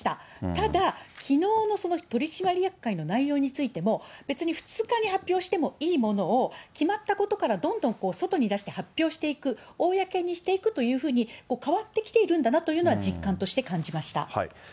ただ、きのうのその取締役会の内容についても、別に２日に発表してもいいものを、決まったことからどんどん外に出して発表していく、公にしていくというふうに変わってきているんだなというのは、実感として感じました。